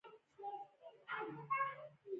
پنېر د پخلنځي ضرور وسایل غواړي.